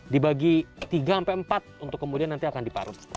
dibagi tiga sampai empat untuk kemudian nanti akan diparut